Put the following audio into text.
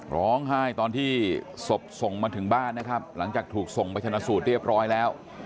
ร้องไห้ตอนที่ศพส่งมาถึงบ้านนะครับหลังจากถูกส่งไปชนะสูตรเรียบร้อยแล้ว